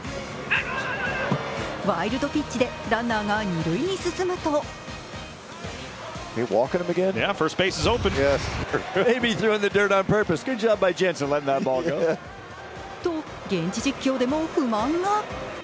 ワイルドピッチでランナーが二塁に進むとと現地実況でも不満が。